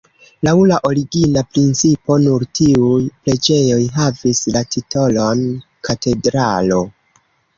Laŭ la origina principo, nur tiuj preĝejoj havis la titolon katedralo.